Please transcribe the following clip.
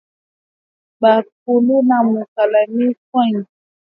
Ba kuluna mu kalemie beko mu quatre coin